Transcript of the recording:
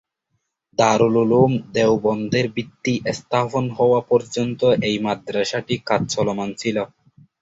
দারুল উলুম দেওবন্দের ভিত্তি স্থাপন হওয়া পর্যন্ত এই মাদ্রাসাটি কাজ চলমান ছিল।